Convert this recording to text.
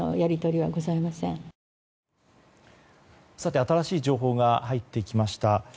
新しい情報が入ってきました。